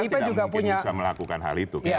kita tidak mungkin bisa melakukan hal itu